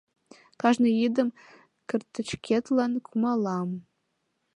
Кажне йӱдым картычкетлан кумалам.